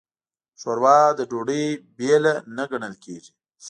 ښوروا د ډوډۍ بېله نه ګڼل کېږي.